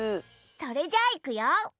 それじゃあいくよ。